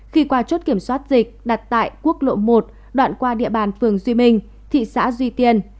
khi qua chốt kiểm soát dịch đặt tại quốc lộ một đoạn qua địa bàn phường duy minh thị xã duy tiên